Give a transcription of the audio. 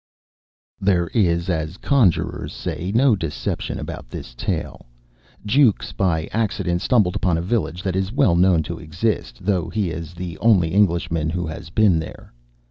_ There is, as the conjurers say, no deception about this tale. Jukes by accident stumbled upon a village that is well known to exist, though he is the only Englishman who has been there.